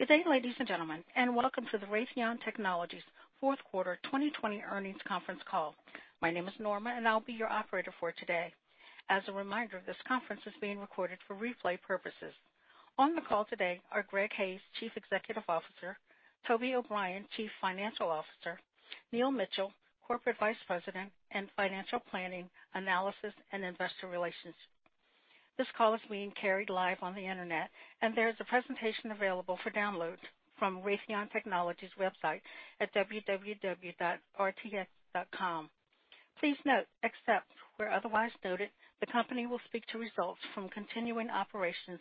Good day, ladies and gentlemen, and welcome to the Raytheon Technologies Fourth Quarter 2020 Earnings Conference Call. My name is Norma, and I'll be your operator for today. As a reminder, this conference is being recorded for replay purposes. On the call today are Greg Hayes, Chief Executive Officer, Toby O'Brien, Chief Financial Officer, Neil Mitchill, Corporate Vice President, Financial Planning & Analysis and Investor Relations. This call is being carried live on the internet, and there is a presentation available for download from Raytheon Technologies website at www.rtx.com. Please note, except where otherwise noted, the company will speak to results from continuing operations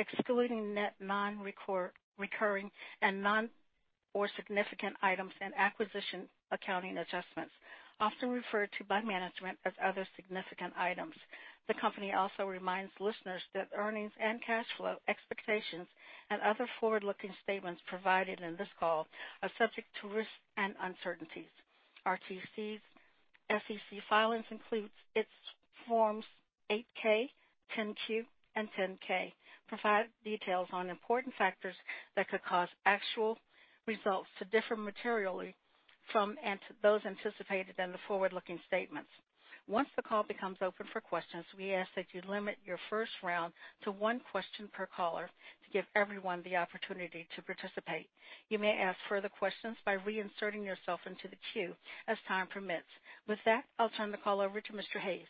excluding net non-recurring and non-core significant items and acquisition accounting adjustments, often referred to by management as other significant items. The company also reminds listeners that earnings and cash flow expectations and other forward-looking statements provided in this call are subject to risks and uncertainties. RTX SEC filings includes its Forms 8-K, 10-Q, and 10-K, provide details on important factors that could cause actual results to differ materially from those anticipated in the forward-looking statements. Once the call becomes open for questions, we ask that you limit your first round to one question per caller to give everyone the opportunity to participate. You may ask further questions by reinserting yourself into the queue as time permits. With that, I'll turn the call over to Mr. Hayes.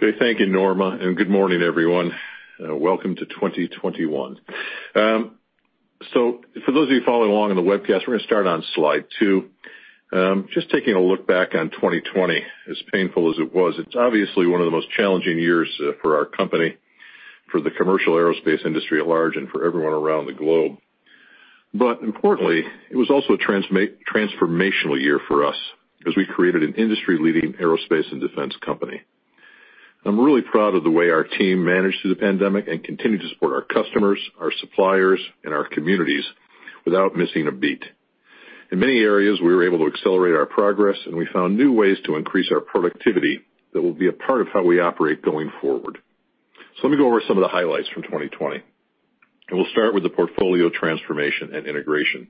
Great. Thank you, Norma. Good morning, everyone. Welcome to 2021. For those of you following along on the webcast, we're going to start on slide two. Just taking a look back on 2020, as painful as it was, it's obviously one of the most challenging years for our company, for the commercial aerospace industry at large, and for everyone around the globe. Importantly, it was also a transformational year for us as we created an industry-leading aerospace and defense company. I'm really proud of the way our team managed through the pandemic and continued to support our customers, our suppliers, and our communities without missing a beat. In many areas, we were able to accelerate our progress, and we found new ways to increase our productivity that will be a part of how we operate going forward. Let me go over some of the highlights from 2020, and we'll start with the portfolio transformation and integration.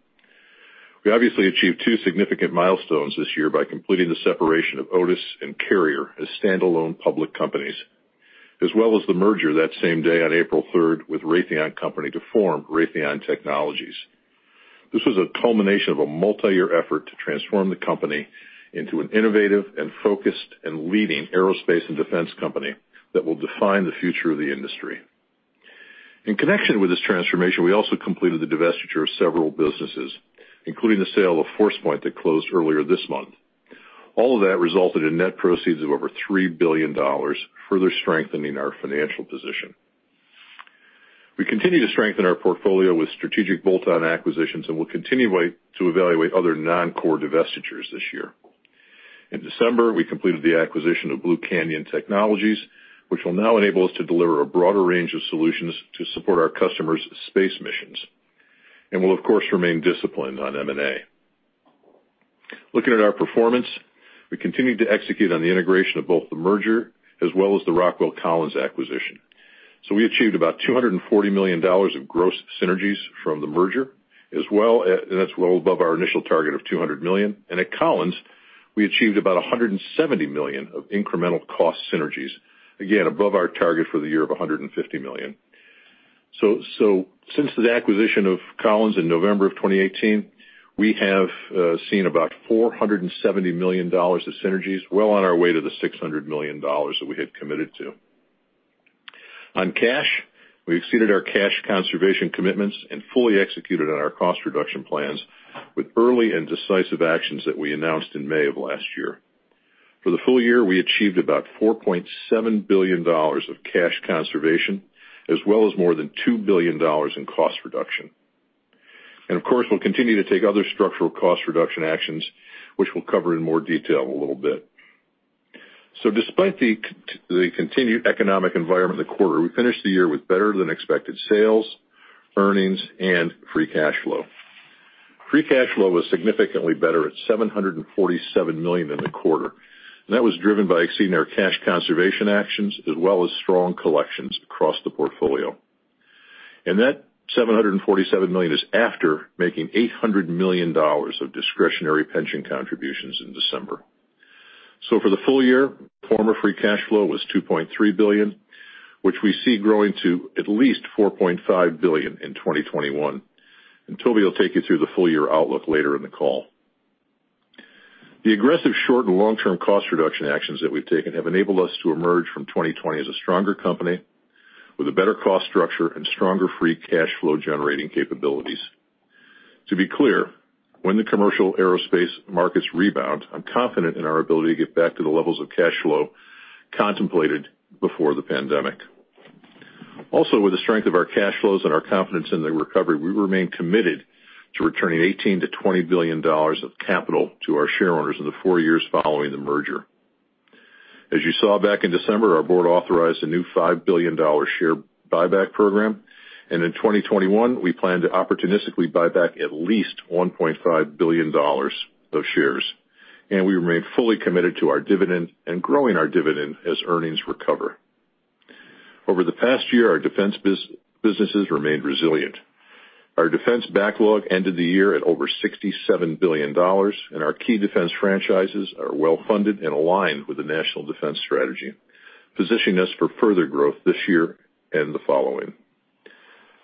We obviously achieved two significant milestones this year by completing the separation of Otis and Carrier as standalone public companies, as well as the merger that same day on April 3rd with Raytheon Company to form Raytheon Technologies. This was a culmination of a multi-year effort to transform the company into an innovative and focused and leading aerospace and defense company that will define the future of the industry. In connection with this transformation, we also completed the divestiture of several businesses, including the sale of Forcepoint that closed earlier this month. All of that resulted in net proceeds of over $3 billion, further strengthening our financial position. We continue to strengthen our portfolio with strategic bolt-on acquisitions and will continue to evaluate other non-core divestitures this year. In December, we completed the acquisition of Blue Canyon Technologies, which will now enable us to deliver a broader range of solutions to support our customers' space missions. We'll of course, remain disciplined on M&A. Looking at our performance, we continued to execute on the integration of both the merger as well as the Rockwell Collins acquisition. We achieved about $240 million of gross synergies from the merger, and that's well above our initial target of $200 million. At Collins, we achieved about $170 million of incremental cost synergies, again, above our target for the year of $150 million. Since the acquisition of Collins in November of 2018, we have seen about $470 million of synergies, well on our way to the $600 million that we had committed to. On cash, we exceeded our cash conservation commitments and fully executed on our cost reduction plans with early and decisive actions that we announced in May of last year. For the full year, we achieved about $4.7 billion of cash conservation, as well as more than $2 billion in cost reduction. Of course, we'll continue to take other structural cost reduction actions, which we'll cover in more detail in a little bit. Despite the continued economic environment of the quarter, we finished the year with better-than-expected sales, earnings, and free cash flow. Free cash flow was significantly better at $747 million in the quarter, that was driven by exceeding our cash conservation actions as well as strong collections across the portfolio. That $747 million is after making $800 million of discretionary pension contributions in December. For the full year, pro forma free cash flow was $2.3 billion, which we see growing to at least $4.5 billion in 2021. Toby will take you through the full-year outlook later in the call. The aggressive short and long-term cost reduction actions that we've taken have enabled us to emerge from 2020 as a stronger company with a better cost structure and stronger free cash flow generating capabilities. To be clear, when the commercial aerospace markets rebound, I'm confident in our ability to get back to the levels of cash flow contemplated before the pandemic. With the strength of our cash flows and our confidence in the recovery, we remain committed to returning $18 billion-$20 billion of capital to our shareholders in the four years following the merger. As you saw back in December, our board authorized a new $5 billion share buyback program. In 2021, we plan to opportunistically buy back at least $1.5 billion of shares. We remain fully committed to our dividend and growing our dividend as earnings recover. Over the past year, our defense businesses remained resilient. Our defense backlog ended the year at over $67 billion, and our key defense franchises are well-funded and aligned with the National Defense Strategy, positioning us for further growth this year and the following.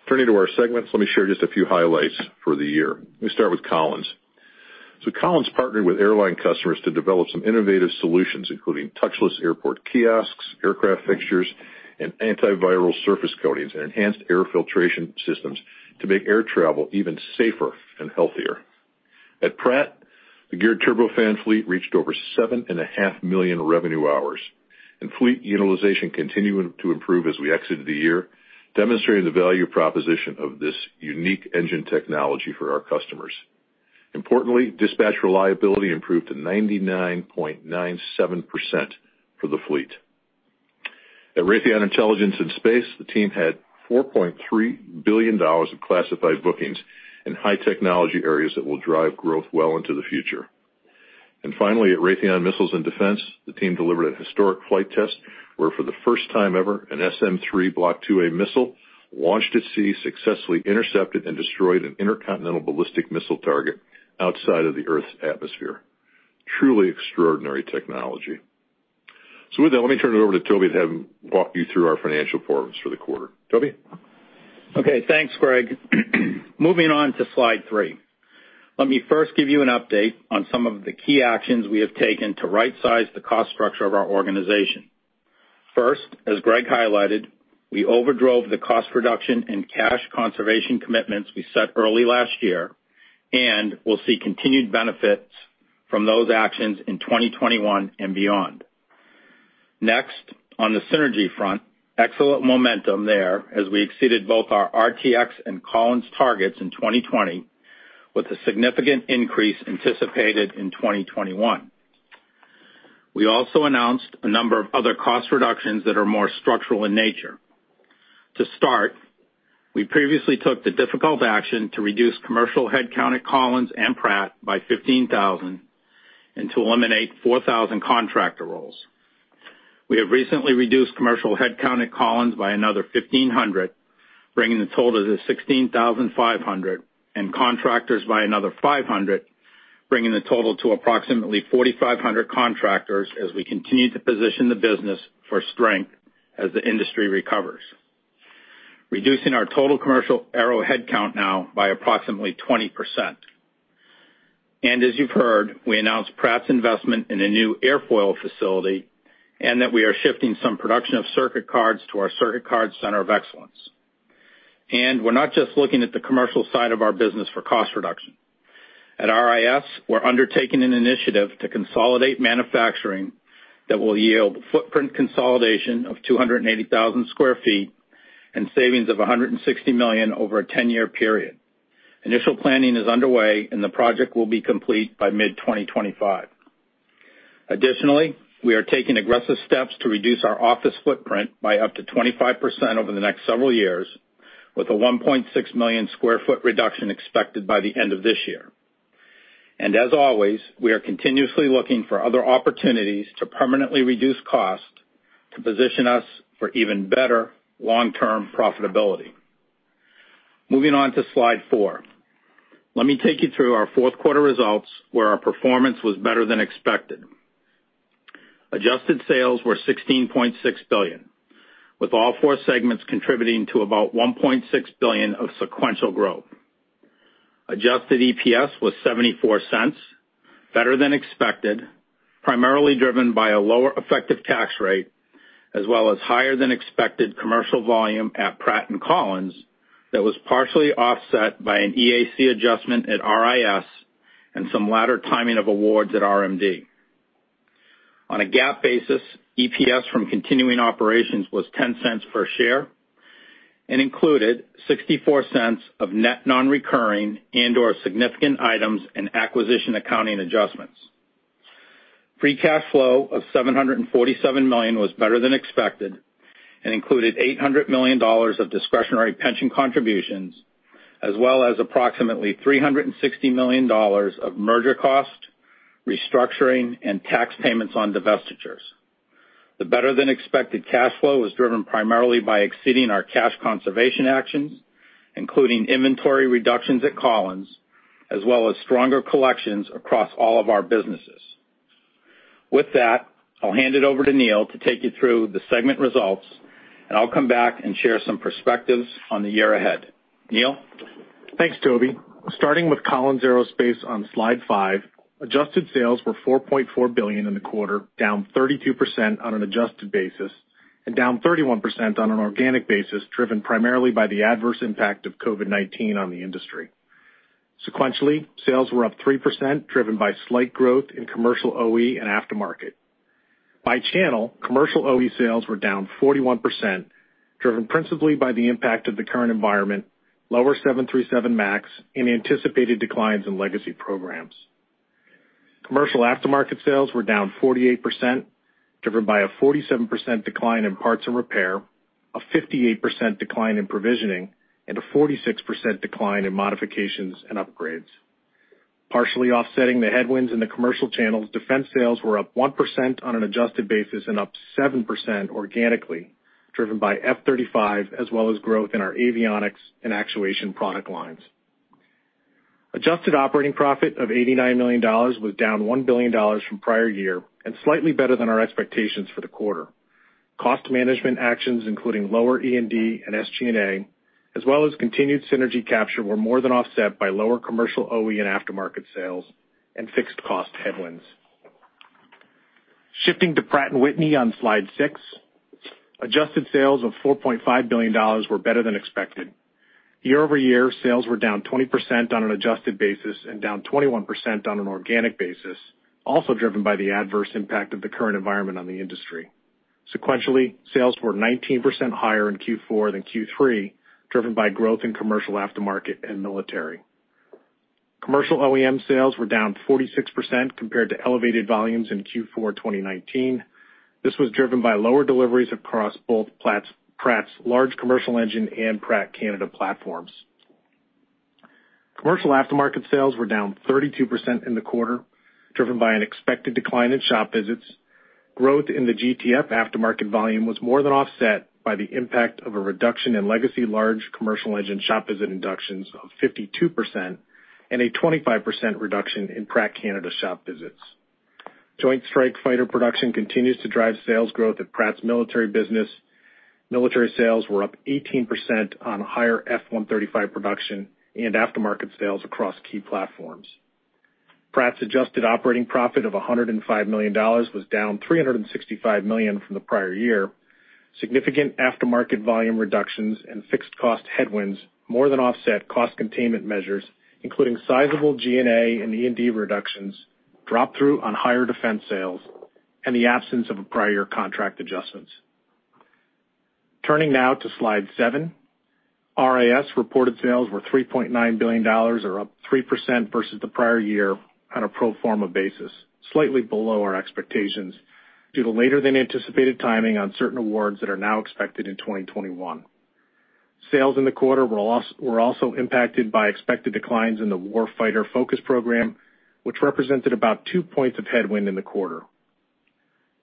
Turning to our segments, let me share just a few highlights for the year. Let me start with Collins. Collins partnered with airline customers to develop some innovative solutions, including touchless airport kiosks, aircraft fixtures, and antiviral surface coatings, and enhanced air filtration systems to make air travel even safer and healthier. At Pratt, the Geared Turbofan fleet reached over 7.5 million revenue hours, and fleet utilization continued to improve as we exited the year, demonstrating the value proposition of this unique engine technology for our customers. Importantly, dispatch reliability improved to 99.97% for the fleet. At Raytheon Intelligence & Space, the team had $4.3 billion of classified bookings in high technology areas that will drive growth well into the future. Finally, at Raytheon Missiles & Defense, the team delivered a historic flight test where for the first time ever, an SM-3 Block IIA missile launched at sea successfully intercepted and destroyed an intercontinental ballistic missile target outside of the Earth's atmosphere. Truly extraordinary technology. With that, let me turn it over to Toby to have him walk you through our financial performance for the quarter. Toby? Okay. Thanks, Greg. Moving on to slide three. Let me first give you an update on some of the key actions we have taken to rightsize the cost structure of our organization. First, as Greg highlighted, we overdrove the cost reduction and cash conservation commitments we set early last year, and we'll see continued benefits from those actions in 2021 and beyond. Next, on the synergy front, excellent momentum there as we exceeded both our RTX and Collins targets in 2020, with a significant increase anticipated in 2021. We also announced a number of other cost reductions that are more structural in nature. To start, we previously took the difficult action to reduce commercial headcount at Collins and Pratt by 15,000, and to eliminate 4,000 contractor roles. We have recently reduced commercial headcount at Collins by another 1,500, bringing the total to 16,500, and contractors by another 500, bringing the total to approximately 4,500 contractors as we continue to position the business for strength as the industry recovers. Reducing our total commercial aero headcount now by approximately 20%. As you've heard, we announced Pratt's investment in a new airfoil facility and that we are shifting some production of circuit cards to our circuit card center of excellence. We're not just looking at the commercial side of our business for cost reduction. At RIS, we're undertaking an initiative to consolidate manufacturing that will yield footprint consolidation of 280,000 sq ft, and savings of $160 million over a 10-year period. Initial planning is underway, and the project will be complete by mid-2025. Additionally, we are taking aggressive steps to reduce our office footprint by up to 25% over the next several years, with a 1.6 million sq ft reduction expected by the end of this year. As always, we are continuously looking for other opportunities to permanently reduce cost to position us for even better long-term profitability. Moving on to slide four. Let me take you through our fourth quarter results where our performance was better than expected. Adjusted sales were $16.6 billion, with all four segments contributing to about $1.6 billion of sequential growth. Adjusted EPS was $0.74, better than expected, primarily driven by a lower effective tax rate, as well as higher than expected commercial volume at Pratt and Collins that was partially offset by an EAC adjustment at RIS and some later timing of awards at RMD. On a GAAP basis, EPS from continuing operations was $0.10 per share and included $0.64 of net non-recurring and/or significant items and acquisition accounting adjustments. Free cash flow of $747 million was better than expected and included $800 million of discretionary pension contributions, as well as approximately $360 million of merger cost, restructuring, and tax payments on divestitures. The better-than-expected cash flow was driven primarily by exceeding our cash conservation actions, including inventory reductions at Collins, as well as stronger collections across all of our businesses. With that, I'll hand it over to Neil to take you through the segment results, and I'll come back and share some perspectives on the year ahead. Neil? Thanks, Toby. Starting with Collins Aerospace on slide five, adjusted sales were $4.4 billion in the quarter, down 32% on an adjusted basis, and down 31% on an organic basis, driven primarily by the adverse impact of COVID-19 on the industry. Sequentially, sales were up 3%, driven by slight growth in commercial OE and aftermarket. By channel, commercial OE sales were down 41%, driven principally by the impact of the current environment, lower 737 MAX, and anticipated declines in legacy programs. Commercial aftermarket sales were down 48%, driven by a 47% decline in parts and repair, a 58% decline in provisioning, and a 46% decline in modifications and upgrades. Partially offsetting the headwinds in the commercial channels, defense sales were up 1% on an adjusted basis and up 7% organically, driven by F-35, as well as growth in our avionics and actuation product lines. Adjusted operating profit of $89 million was down $1 billion from prior year, and slightly better than our expectations for the quarter. Cost management actions, including lower E&D and SG&A, as well as continued synergy capture, were more than offset by lower commercial OE and aftermarket sales and fixed cost headwinds. Shifting to Pratt & Whitney on slide six, adjusted sales of $4.5 billion were better than expected. Year-over-year, sales were down 20% on an adjusted basis and down 21% on an organic basis, also driven by the adverse impact of the current environment on the industry. Sequentially, sales were 19% higher in Q4 than Q3, driven by growth in commercial aftermarket and military. Commercial OEM sales were down 46% compared to elevated volumes in Q4 2019. This was driven by lower deliveries across both Pratt's large commercial engine and Pratt Canada platforms. Commercial aftermarket sales were down 32% in the quarter, driven by an expected decline in shop visits. Growth in the GTF aftermarket volume was more than offset by the impact of a reduction in legacy large commercial engine shop visit inductions of 52% and a 25% reduction in Pratt Canada shop visits. Joint Strike Fighter production continues to drive sales growth at Pratt's military business. Military sales were up 18% on higher F135 production and aftermarket sales across key platforms. Pratt's adjusted operating profit of $105 million was down $365 million from the prior year. Significant aftermarket volume reductions and fixed cost headwinds more than offset cost containment measures, including sizable G&A and E&D reductions, drop-through on higher defense sales, and the absence of prior contract adjustments. Turning now to slide seven. RIS reported sales were $3.9 billion, or up 3% versus the prior year on a pro forma basis, slightly below our expectations due to later than anticipated timing on certain awards that are now expected in 2021. Sales in the quarter were also impacted by expected declines in the Warfighter FOCUS program, which represented about two points of headwind in the quarter.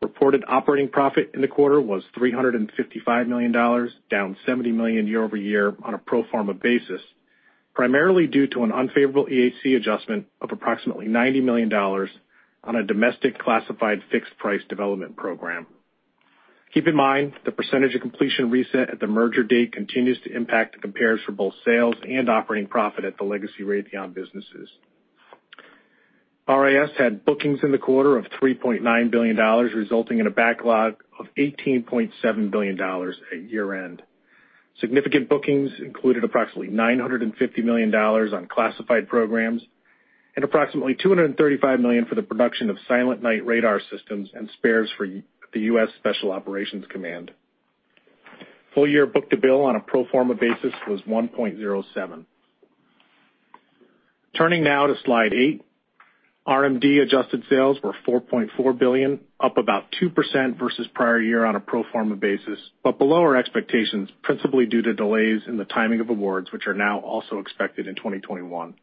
Reported operating profit in the quarter was $355 million, down $70 million year-over-year on a pro forma basis, primarily due to an unfavorable EAC adjustment of approximately $90 million on a domestic classified fixed price development program. Keep in mind, the percentage of completion reset at the merger date continues to impact the compares for both sales and operating profit at the legacy Raytheon businesses. RIS had bookings in the quarter of $3.9 billion, resulting in a backlog of $18.7 billion at year-end. Significant bookings included approximately $950 million on classified programs and approximately $235 million for the production of Silent Knight radar systems and spares for the U.S. Special Operations Command. Full year book to bill on a pro forma basis was 1.07. Turning now to slide eight. RMD adjusted sales were $4.4 billion, up about 2% versus prior year on a pro forma basis, but below our expectations, principally due to delays in the timing of awards, which are now also expected in 2021.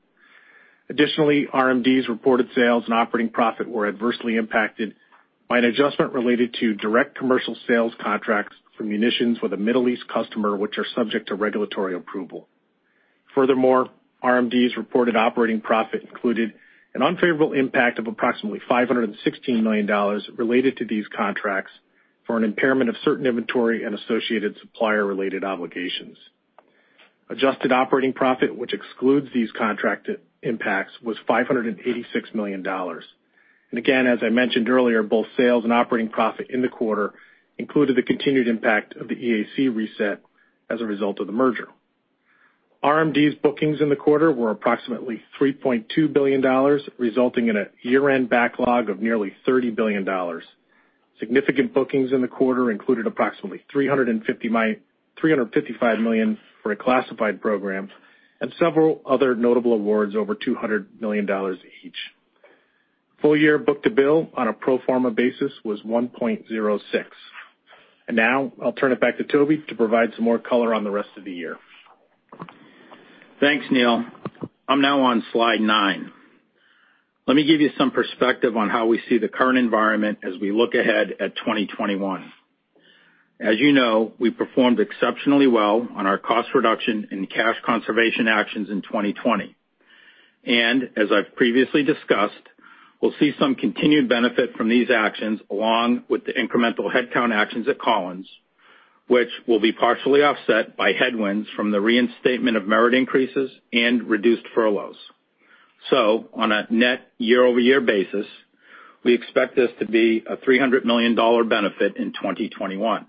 Additionally, RMD's reported sales and operating profit were adversely impacted by an adjustment related to direct commercial sales contracts for munitions with a Middle East customer, which are subject to regulatory approval. Furthermore, RMD's reported operating profit included an unfavorable impact of approximately $516 million related to these contracts for an impairment of certain inventory and associated supplier-related obligations. Adjusted operating profit, which excludes these contract impacts, was $586 million. Again, as I mentioned earlier, both sales and operating profit in the quarter included the continued impact of the EAC reset as a result of the merger. RMD's bookings in the quarter were approximately $3.2 billion, resulting in a year-end backlog of nearly $30 billion. Significant bookings in the quarter included approximately $355 million for a classified program and several other notable awards over $200 million each. Full year book to bill on a pro forma basis was 1.06. Now I'll turn it back to Toby to provide some more color on the rest of the year. Thanks, Neil. I'm now on slide nine. Let me give you some perspective on how we see the current environment as we look ahead at 2021. As you know, we performed exceptionally well on our cost reduction and cash conservation actions in 2020. As I've previously discussed, we'll see some continued benefit from these actions along with the incremental headcount actions at Collins, which will be partially offset by headwinds from the reinstatement of merit increases and reduced furloughs. On a net year-over-year basis, we expect this to be a $300 million benefit in 2021.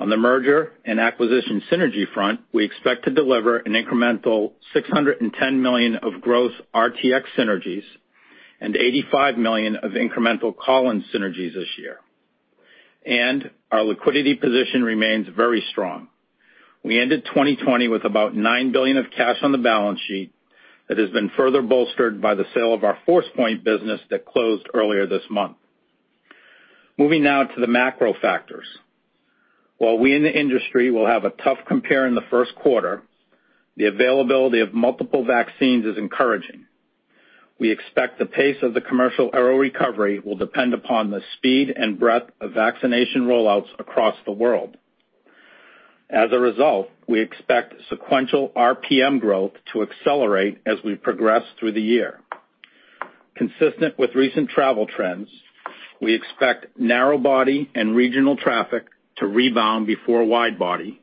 On the merger and acquisition synergy front, we expect to deliver an incremental $610 million of gross RTX synergies and $85 million of incremental Collins synergies this year. Our liquidity position remains very strong. We ended 2020 with about $9 billion of cash on the balance sheet that has been further bolstered by the sale of our Forcepoint business that closed earlier this month. Moving now to the macro factors. While we in the industry will have a tough compare in the first quarter, the availability of multiple vaccines is encouraging. We expect the pace of the commercial aero recovery will depend upon the speed and breadth of vaccination rollouts across the world. As a result, we expect sequential RPM growth to accelerate as we progress through the year. Consistent with recent travel trends, we expect narrow body and regional traffic to rebound before wide body,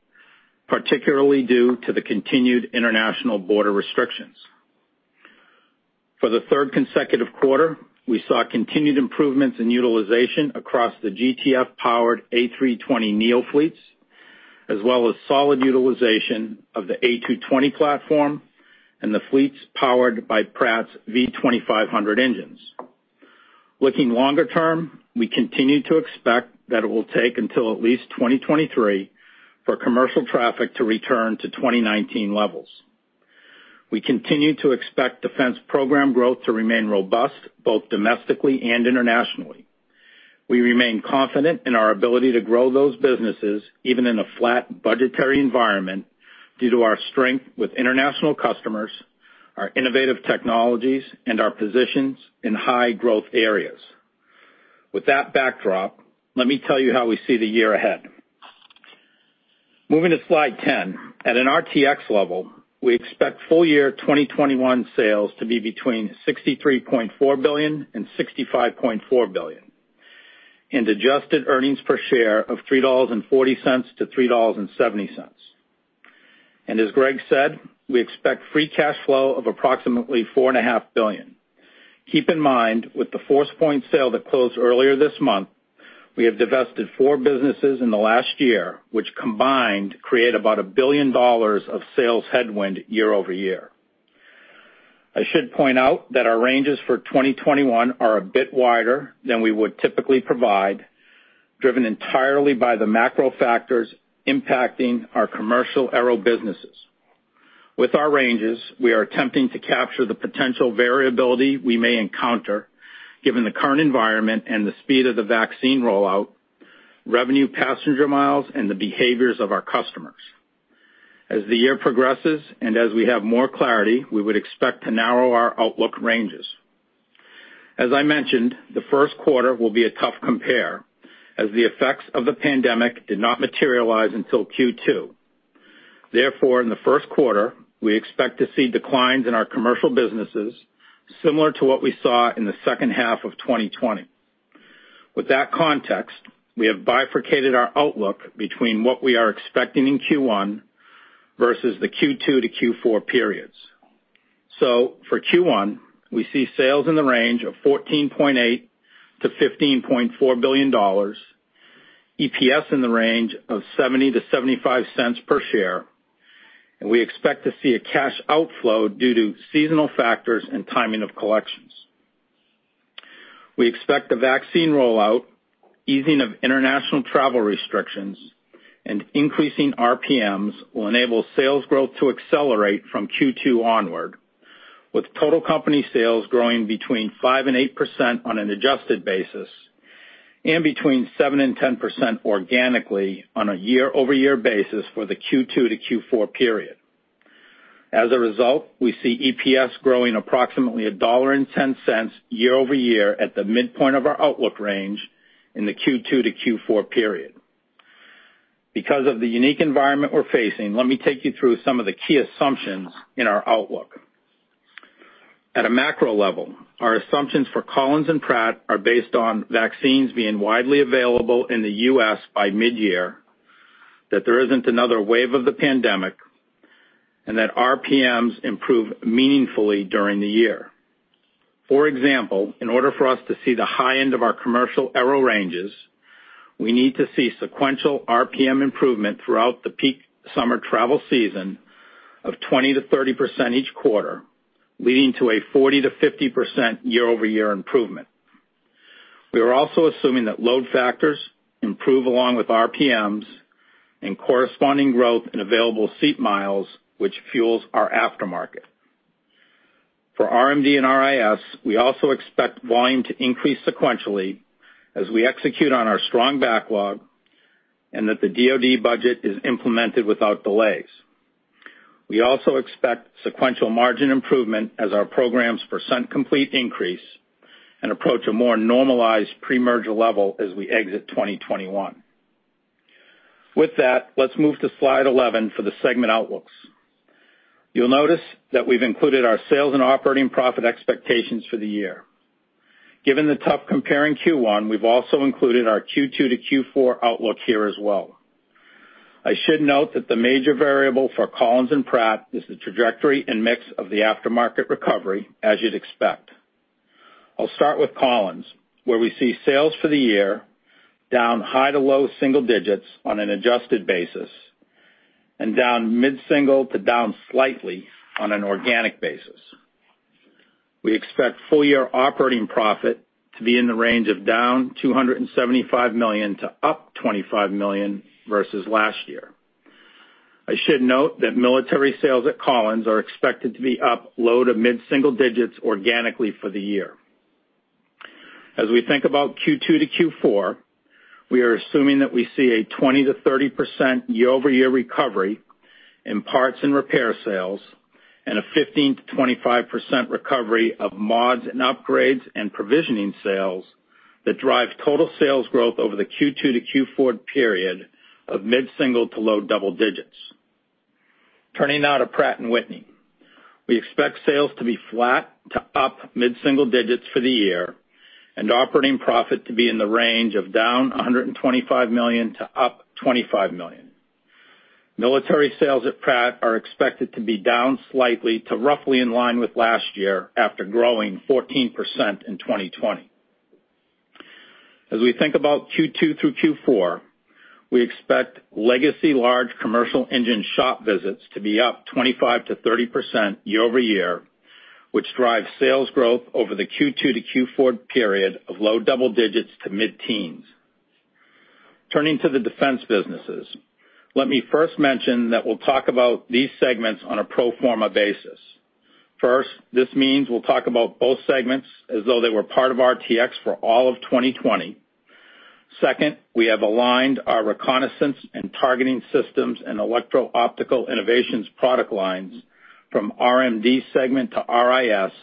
particularly due to the continued international border restrictions. For the third consecutive quarter, we saw continued improvements in utilization across the GTF-powered A320neo fleets, as well as solid utilization of the A220 platform and the fleets powered by Pratt's V2500 engines. Looking longer term, we continue to expect that it will take until at least 2023 for commercial traffic to return to 2019 levels. We continue to expect defense program growth to remain robust, both domestically and internationally. We remain confident in our ability to grow those businesses, even in a flat budgetary environment, due to our strength with international customers, our innovative technologies, and our positions in high-growth areas. With that backdrop, let me tell you how we see the year ahead. Moving to slide 10, at an RTX level, we expect full year 2021 sales to be between $63.4 billion and $65.4 billion, and adjusted earnings per share of $3.40-$3.70. As Greg said, we expect free cash flow of approximately $4.5 billion. Keep in mind, with the Forcepoint sale that closed earlier this month, we have divested four businesses in the last year, which combined, create about $1 billion of sales headwind year-over-year. I should point out that our ranges for 2021 are a bit wider than we would typically provide, driven entirely by the macro factors impacting our commercial aero businesses. With our ranges, we are attempting to capture the potential variability we may encounter, given the current environment and the speed of the vaccine rollout, Revenue Passenger Miles, and the behaviors of our customers. As the year progresses, as we have more clarity, we would expect to narrow our outlook ranges. As I mentioned, the first quarter will be a tough compare, as the effects of the pandemic did not materialize until Q2. In the first quarter, we expect to see declines in our commercial businesses similar to what we saw in the second half of 2020. For Q1, we see sales in the range of $14.8 billion-$15.4 billion, EPS in the range of $0.70-$0.75 per share, and we expect to see a cash outflow due to seasonal factors and timing of collections. We expect the vaccine rollout, easing of international travel restrictions, and increasing RPMs will enable sales growth to accelerate from Q2 onward, with total company sales growing between 5% and 8% on an adjusted basis and between 7% and 10% organically on a year-over-year basis for the Q2 to Q4 period. As a result, we see EPS growing approximately $1.10 year-over-year at the midpoint of our outlook range in the Q2 to Q4 period. Because of the unique environment we're facing, let me take you through some of the key assumptions in our outlook. At a macro level, our assumptions for Collins and Pratt are based on vaccines being widely available in the U.S. by midyear, that there isn't another wave of the pandemic, and that RPMs improve meaningfully during the year. For example, in order for us to see the high end of our commercial aero ranges, we need to see sequential RPM improvement throughout the peak summer travel season of 20%-30% each quarter, leading to a 40%-50% year-over-year improvement. We are also assuming that load factors improve along with RPMs and corresponding growth in Available Seat Miles, which fuels our aftermarket. For RMD and RIS, we also expect volume to increase sequentially as we execute on our strong backlog and that the DoD budget is implemented without delays. We also expect sequential margin improvement as our programs' percent complete increase and approach a more normalized pre-merger level as we exit 2021. With that, let's move to slide 11 for the segment outlooks. You'll notice that we've included our sales and operating profit expectations for the year. Given the tough compare in Q1, we have also included our Q2 to Q4 outlook here as well. The major variable for Collins and Pratt is the trajectory and mix of the aftermarket recovery, as you would expect. I will start with Collins, where we see sales for the year down high to low single digits on an adjusted basis and down mid-single to down slightly on an organic basis. We expect full-year operating profit to be in the range of down $275 million to up $25 million versus last year. I should note that military sales at Collins are expected to be up low to mid-single digits organically for the year. As we think about Q2 to Q4, we are assuming that we see a 20%-30% year-over-year recovery in parts and repair sales, and a 15%-25% recovery of mods and upgrades and provisioning sales that drive total sales growth over the Q2 to Q4 period of mid-single to low double digits. Turning now to Pratt & Whitney. We expect sales to be flat to up mid-single digits for the year, and operating profit to be in the range of down $125 million to up $25 million. Military sales at Pratt are expected to be down slightly to roughly in line with last year after growing 14% in 2020. As we think about Q2 through Q4, we expect legacy large commercial engine shop visits to be up 25%-30% year-over-year, which drives sales growth over the Q2 to Q4 period of low double digits to mid-teens. Turning to the defense businesses. Let me first mention that we'll talk about these segments on a pro forma basis. First, this means we'll talk about both segments as though they were part of RTX for all of 2020. Second, we have aligned our reconnaissance and targeting systems and Electro-Optical/Infrared product lines from RMD segment to RIS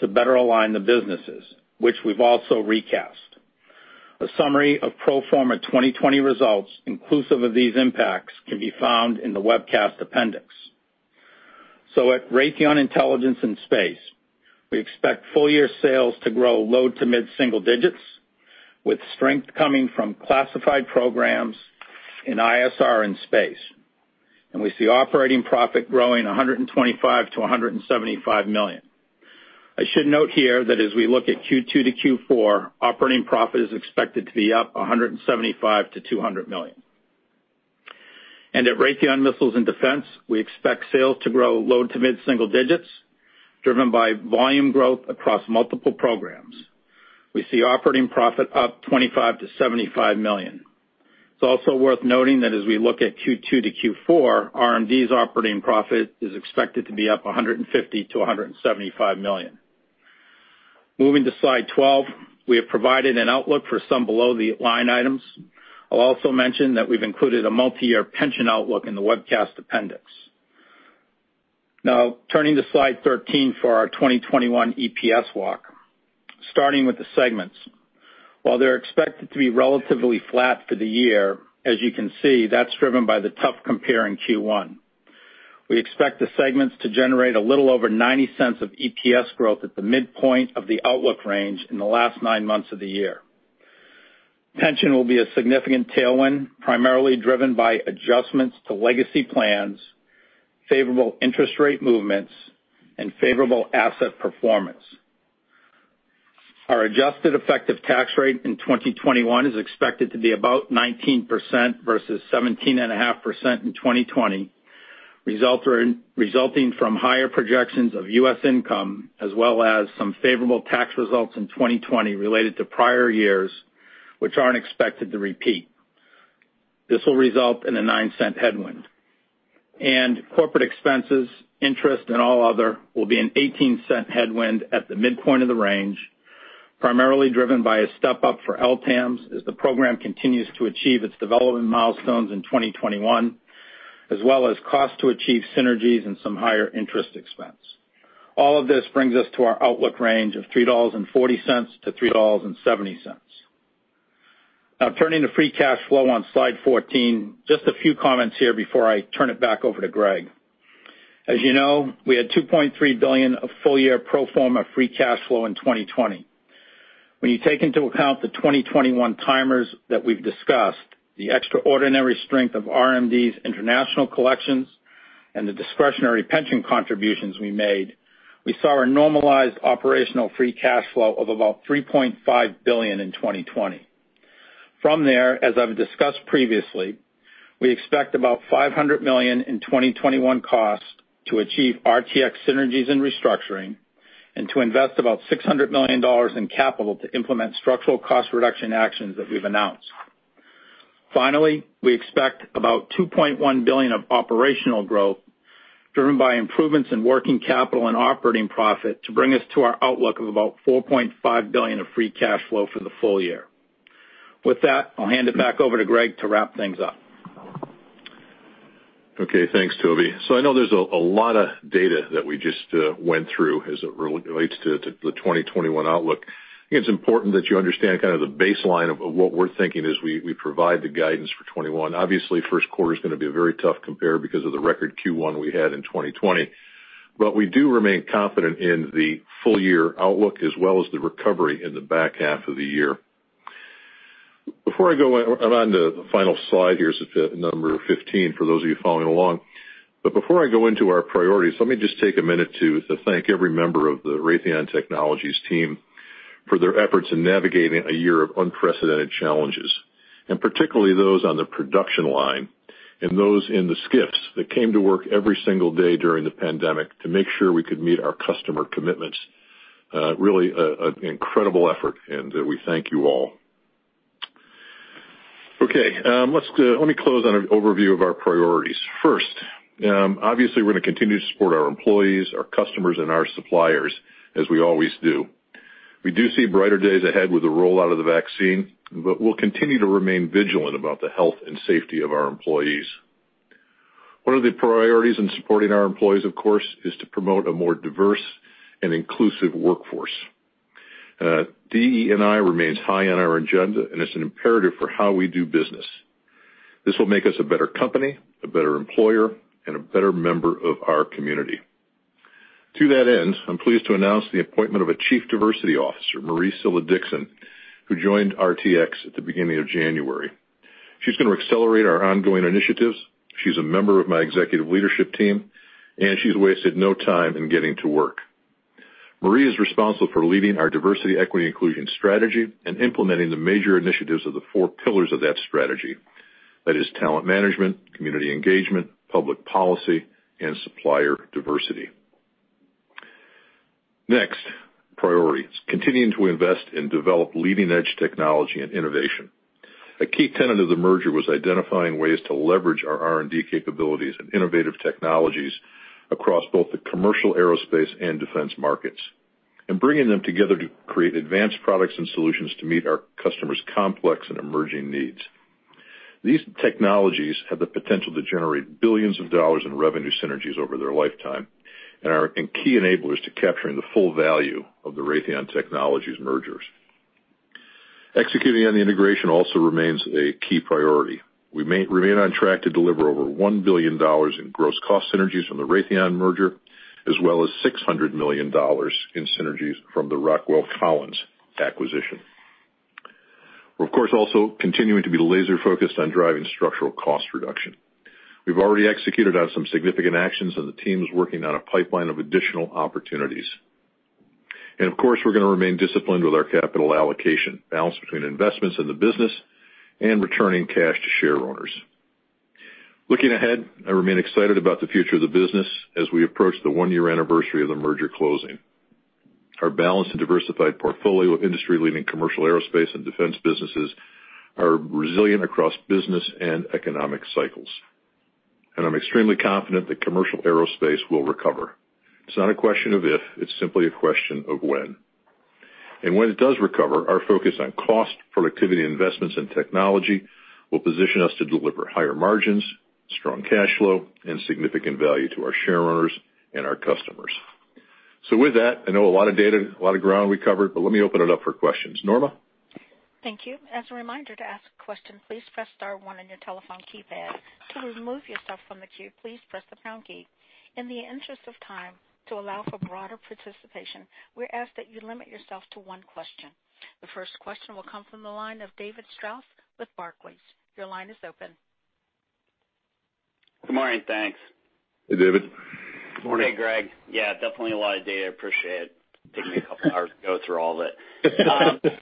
to better align the businesses, which we've also recast. A summary of pro forma 2020 results inclusive of these impacts can be found in the webcast appendix. At Raytheon Intelligence & Space, we expect full-year sales to grow low to mid-single digits with strength coming from classified programs in ISR and space. We see operating profit growing $125 million to $175 million. I should note here that as we look at Q2 to Q4, operating profit is expected to be up $175 million to $200 million. At Raytheon Missiles & Defense, we expect sales to grow low to mid-single digits driven by volume growth across multiple programs. We see operating profit up $25 million-$75 million. It's also worth noting that as we look at Q2 to Q4, RMD's operating profit is expected to be up $150 million-$175 million. Moving to slide 12, we have provided an outlook for some below-the-line items. I'll also mention that we've included a multi-year pension outlook in the webcast appendix. Turning to slide 13 for our 2021 EPS walk. Starting with the segments. While they're expected to be relatively flat for the year, as you can see, that's driven by the tough compare in Q1. We expect the segments to generate a little over $0.90 of EPS growth at the midpoint of the outlook range in the last nine months of the year. Pension will be a significant tailwind, primarily driven by adjustments to legacy plans, favorable interest rate movements, and favorable asset performance. Our adjusted effective tax rate in 2021 is expected to be about 19% versus 17.5% in 2020, resulting from higher projections of U.S. income as well as some favorable tax results in 2020 related to prior years, which aren't expected to repeat. This will result in a $0.09 headwind. Corporate expenses, interest, and all other will be an $0.18 headwind at the midpoint of the range, primarily driven by a step-up for LTAMDS as the program continues to achieve its development milestones in 2021, as well as cost to achieve synergies and some higher interest expense. All of this brings us to our outlook range of $3.40-$3.70. Turning to free cash flow on slide 14. Just a few comments here before I turn it back over to Greg. As you know, we had $2.3 billion of full-year pro forma free cash flow in 2020. When you take into account the 2021 timers that we've discussed, the extraordinary strength of RMD's international collections, and the discretionary pension contributions we made, we saw a normalized operational free cash flow of about $3.5 billion in 2020. From there, as I've discussed previously, we expect about $500 million in 2021 costs to achieve RTX synergies and restructuring, and to invest about $600 million in capital to implement structural cost reduction actions that we've announced. Finally, we expect about $2.1 billion of operational growth driven by improvements in working capital and operating profit to bring us to our outlook of about $4.5 billion of free cash flow for the full year. With that, I'll hand it back over to Greg to wrap things up. Okay, thanks, Toby. I know there's a lot of data that we just went through as it relates to the 2021 outlook. I think it's important that you understand kind of the baseline of what we're thinking as we provide the guidance for 2021. Obviously, first quarter's going to be a very tough compare because of the record Q1 we had in 2020. We do remain confident in the full-year outlook as well as the recovery in the back half of the year. Before I go, I'm on the final slide here, number 15 for those of you following along. Before I go into our priorities, let me just take a minute to thank every member of the Raytheon Technologies team for their efforts in navigating a year of unprecedented challenges, and particularly those on the production line and those in the SCIFs that came to work every single day during the pandemic to make sure we could meet our customer commitments. Really, an incredible effort, and we thank you all. Okay. Let me close on an overview of our priorities. First, obviously, we're going to continue to support our employees, our customers, and our suppliers as we always do. We do see brighter days ahead with the rollout of the vaccine, but we'll continue to remain vigilant about the health and safety of our employees. One of the priorities in supporting our employees, of course, is to promote a more diverse and inclusive workforce. DE&I remains high on our agenda. It's an imperative for how we do business. This will make us a better company, a better employer, and a better member of our community. To that end, I'm pleased to announce the appointment of a chief diversity officer, Marie Sylla-Dixon, who joined RTX at the beginning of January. She's going to accelerate our ongoing initiatives. She's a member of my executive leadership team. She's wasted no time in getting to work. Marie is responsible for leading our diversity equity inclusion strategy and implementing the major initiatives of the four pillars of that strategy. That is talent management, community engagement, public policy, and supplier diversity. Next priorities, continuing to invest and develop leading-edge technology and innovation. A key tenet of the merger was identifying ways to leverage our RMD capabilities and innovative technologies across both the commercial aerospace and defense markets, and bringing them together to create advanced products and solutions to meet our customers' complex and emerging needs. These technologies have the potential to generate billions of dollars in revenue synergies over their lifetime and are key enablers to capturing the full value of the Raytheon Technologies mergers. Executing on the integration also remains a key priority. We remain on track to deliver over $1 billion in gross cost synergies from the Raytheon merger, as well as $600 million in synergies from the Rockwell Collins acquisition. We're of course also continuing to be laser-focused on driving structural cost reduction. We've already executed on some significant actions, and the team is working on a pipeline of additional opportunities. Of course, we're going to remain disciplined with our capital allocation balance between investments in the business and returning cash to share owners. Looking ahead, I remain excited about the future of the business as we approach the one-year anniversary of the merger closing. Our balanced and diversified portfolio of industry-leading commercial aerospace and defense businesses are resilient across business and economic cycles. I'm extremely confident that commercial aerospace will recover. It's not a question of if, it's simply a question of when. When it does recover, our focus on cost, productivity, investments, and technology will position us to deliver higher margins, strong cash flow, and significant value to our share owners and our customers. With that, I know a lot of data, a lot of ground we covered, but let me open it up for questions. Norma? Thank you. As a reminder to ask a question, please press star one on your telephone keypad. To remove yourself from the queue, please press the pound key. In the interest of time, to allow for broader participation, we ask that you limit yourself to one question. The first question will come from the line of David Strauss with Barclays. Your line is open. Good morning, thanks. Hey, David. Good morning. Hey, Greg. Yeah, definitely a lot of data. I appreciate it. Take me a couple of hours to go through all of it.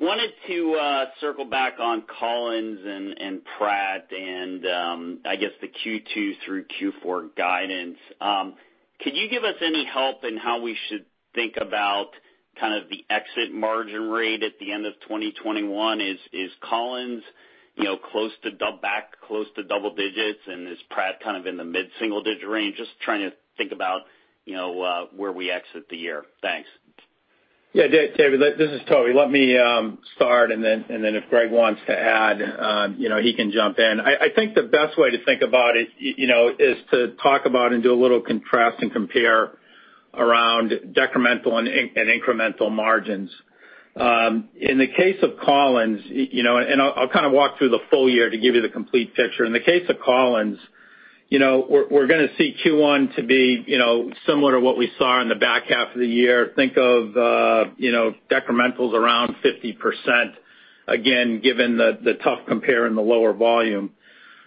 Wanted to circle back on Collins and Pratt and, I guess, the Q2 through Q4 guidance. Could you give us any help in how we should think about kind of the exit margin rate at the end of 2021? Is Collins back close to double digits, and is Pratt kind of in the mid-single-digit range? Just trying to think about where we exit the year. Thanks. Yeah, David, this is Toby. Let me start, and then if Greg wants to add, he can jump in. I think the best way to think about it is to talk about and do a little contrast and compare around decremental and incremental margins. In the case of Collins, and I'll kind of walk through the full year to give you the complete picture. In the case of Collins, we're going to see Q1 to be similar to what we saw in the back half of the year. Think of decrementals around 50%, again, given the tough compare and the lower volume.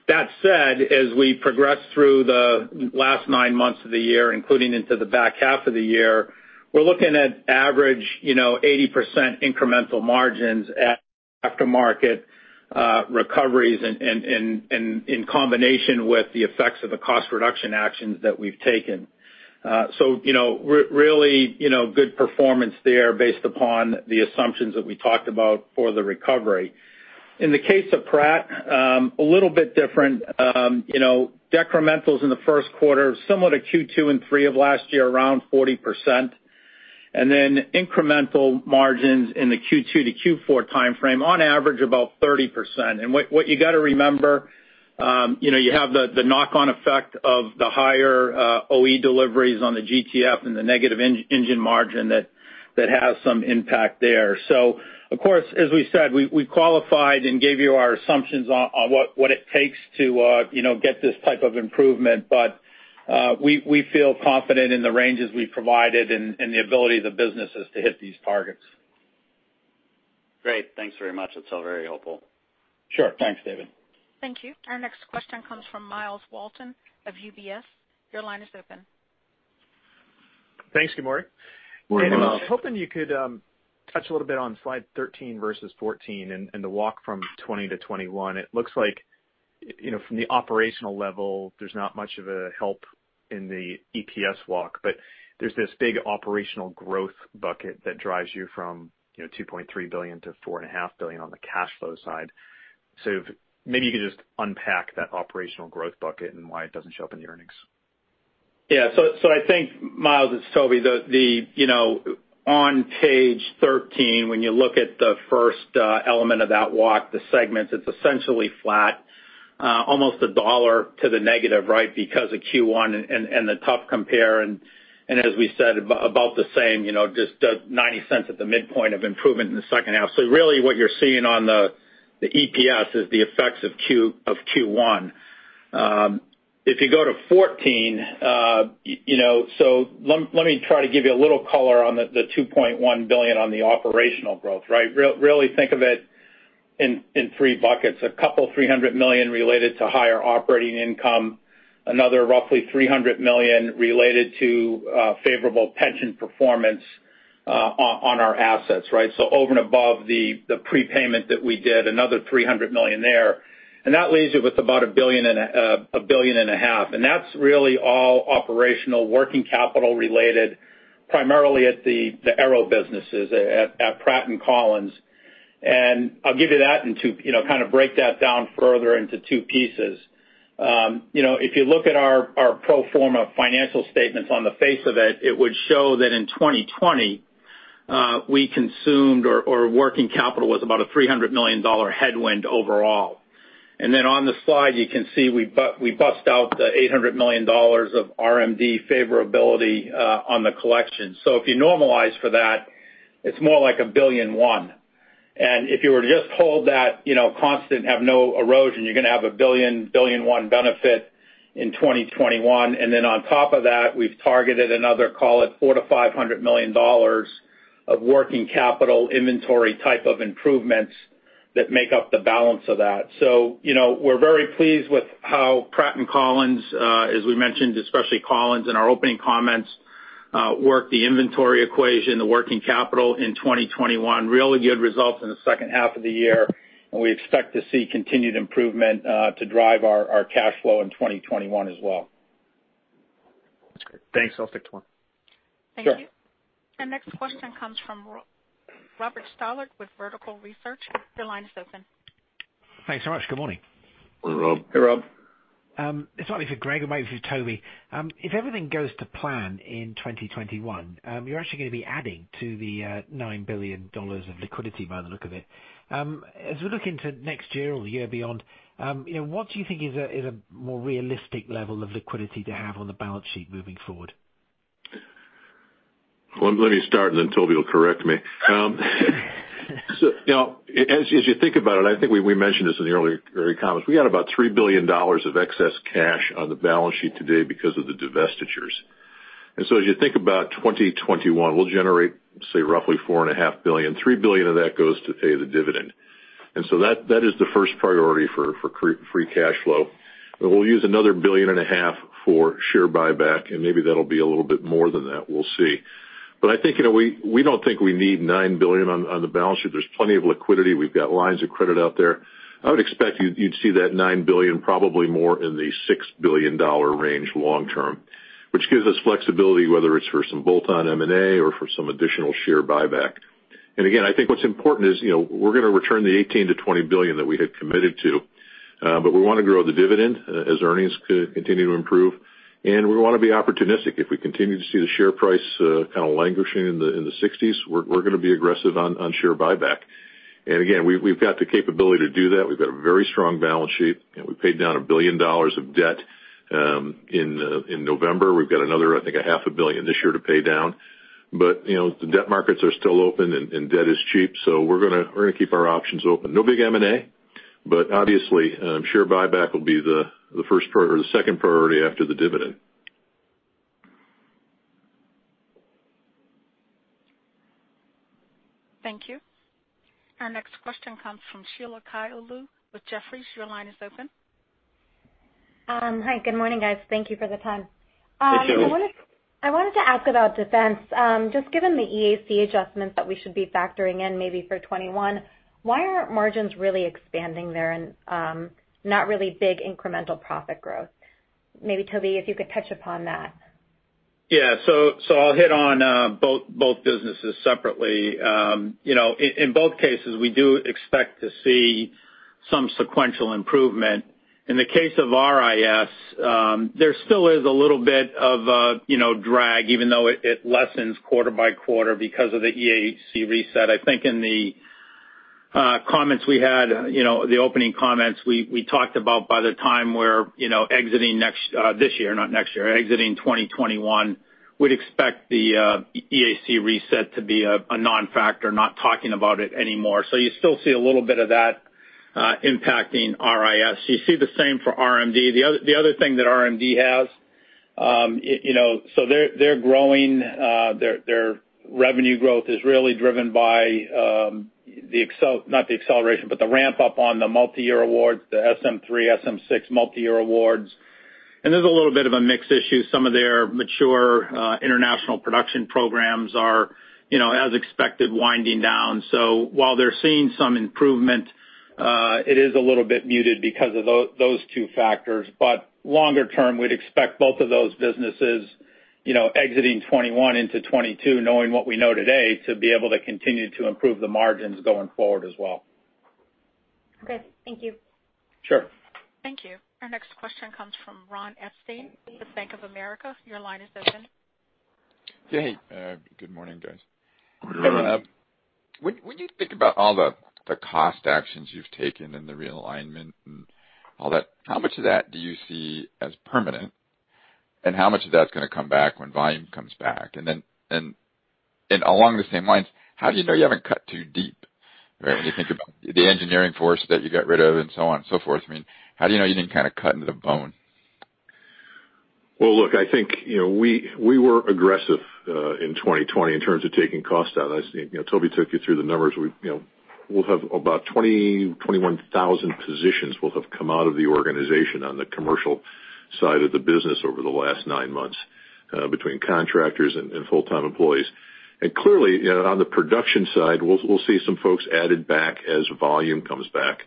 That said, as we progress through the last nine months of the year, including into the back half of the year, we're looking at average 80% incremental margins at aftermarket recoveries in combination with the effects of the cost reduction actions that we've taken. Really good performance there based upon the assumptions that we talked about for the recovery. In the case of Pratt, a little bit different. Decrementals in the first quarter, similar to Q2 and Q3 of last year, around 40%. Then incremental margins in the Q2 to Q4 timeframe, on average about 30%. What you got to remember, you have the knock-on effect of the higher OE deliveries on the GTF and the negative engine margin that has some impact there. Of course, as we said, we qualified and gave you our assumptions on what it takes to get this type of improvement, but we feel confident in the ranges we provided and the ability of the businesses to hit these targets. Great. Thanks very much. That's all very helpful. Sure. Thanks, David. Thank you. Our next question comes from Myles Walton of UBS. Your line is open. Thanks. Good morning. Morning, Myles. Good Morning. I was hoping you could touch a little bit on slide 13 versus 14 and the walk from 2020 to 2021. It looks like from the operational level, there's not much of a help in the EPS walk, but there's this big operational growth bucket that drives you from $2.3 billion to $4.5 billion on the cash flow side. So maybe you could just unpack that operational growth bucket and why it doesn't show up in the earnings. Yeah. I think, Myles, it's Toby. On page 13, when you look at the first element of that walk, the segments, it's essentially flat, almost $1 to the negative, right? Because of Q1 and the tough compare, and as we said, about the same, just $0.90 at the midpoint of improvement in the second half. Really what you're seeing on the EPS is the effects of Q1. If you go to 14, let me try to give you a little color on the $2.1 billion on the operational growth, right? Really think of it in three buckets. A couple, $300 million related to higher operating income, another roughly $300 million related to favorable pension performance on our assets, right? Over and above the prepayment that we did, another $300 million there. That leaves you with about a $1.5 billion. That's really all operational working capital related, primarily at the aero businesses at Pratt & Collins. I'll give you that kind of break that down further into two pieces. If you look at our pro forma financial statements on the face of it would show that in 2020, we consumed or working capital was about a $300 million headwind overall. On the slide, you can see we bust out the $800 million of RMD favorability on the collection. If you normalize for that, it's more like $1.1 billion. If you were to just hold that constant, have no erosion, you're going to have a $1.1 billion benefit in 2021. On top of that, we've targeted another, call it $400 million-$500 million of working capital inventory type of improvements that make up the balance of that. We're very pleased with how Pratt and Collins, as we mentioned, especially Collins in our opening comments, work the inventory equation, the working capital in 2021. Really good results in the second half of the year. We expect to see continued improvement to drive our cash flow in 2021 as well. That's great. Thanks. I'll stick to one. Sure. Thank you. The next question comes from Robert Stallard with Vertical Research. Your line is open. Thanks so much. Good morning. Hey, Rob. Hey, Rob. It's not only for Greg, maybe for Toby. If everything goes to plan in 2021, you're actually going to be adding to the $9 billion of liquidity by the look of it. As we look into next year or the year beyond, what do you think is a more realistic level of liquidity to have on the balance sheet moving forward? Well, let me start, and then Toby will correct me. As you think about it, I think we mentioned this in the early comments. We got about $3 billion of excess cash on the balance sheet today because of the divestitures. As you think about 2021, we'll generate, say, roughly $4.5 billion. $3 billion of that goes to pay the dividend. That is the first priority for free cash flow. We'll use another $1.5 billion for share buyback, and maybe that'll be a little bit more than that. We'll see. I think, we don't think we need $9 billion on the balance sheet. There's plenty of liquidity. We've got lines of credit out there. I would expect you'd see that $9 billion, probably more in the $6 billion range long-term, which gives us flexibility, whether it's for some bolt-on M&A or for some additional share buyback. Again, I think what's important is we're going to return the $18 billion-$20 billion that we had committed to. We want to grow the dividend as earnings continue to improve. We want to be opportunistic. If we continue to see the share price kind of languishing in the 60s, we're going to be aggressive on share buyback. Again, we've got the capability to do that. We've got a very strong balance sheet. We paid down $1 billion of debt in November. We've got another, I think, a $500 million this year to pay down. The debt markets are still open and debt is cheap. We're going to keep our options open. No big M&A. Obviously, share buyback will be the second priority after the dividend. Thank you. Our next question comes from Sheila Kahyaoglu with Jefferies. Your line is open. Hi. Good morning, guys. Thank you for the time. Hey, Sheila. Hey. I wanted to ask about defense. Just given the EAC adjustments that we should be factoring in maybe for 2021, why aren't margins really expanding there and not really big incremental profit growth? Maybe Toby, if you could touch upon that. I'll hit on both businesses separately. In both cases, we do expect to see some sequential improvement. In the case of RIS, there still is a little bit of drag, even though it lessens quarter by quarter because of the EAC reset. I think in the comments we had, the opening comments, we talked about by the time we're exiting this year, not next year, exiting 2021, we'd expect the EAC reset to be a non-factor, not talking about it anymore. You still see a little bit of that impacting RIS. You see the same for RMD. They're growing. Their revenue growth is really driven by, not the acceleration, but the ramp up on the multi-year awards, the SM-3, SM-6 multi-year awards. There's a little bit of a mix issue. Some of their mature international production programs are, as expected, winding down. While they're seeing some improvement, it is a little bit muted because of those two factors. Longer term, we'd expect both of those businesses exiting 2021 into 2022, knowing what we know today, to be able to continue to improve the margins going forward as well. Okay. Thank you. Sure. Thank you. Our next question comes from Ron Epstein with Bank of America. Your line is open. Hey, good morning, guys. Good morning. Good morning. When you think about all the cost actions you've taken and the realignment and all that, how much of that do you see as permanent, and how much of that's going to come back when volume comes back? Along the same lines, how do you know you haven't cut too deep, right? When you think about the engineering force that you got rid of and so on and so forth, how do you know you didn't kind of cut into the bone? Well, look, I think we were aggressive in 2020 in terms of taking costs out. I see Toby took you through the numbers. We'll have about 20,000-21,000 positions will have come out of the organization on the commercial side of the business over the last nine months between contractors and full-time employees. Clearly, on the production side, we'll see some folks added back as volume comes back.